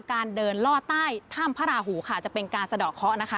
การเดินล่อใต้ถ้ำพระราหูค่ะจะเป็นการสะดอกเคาะนะคะ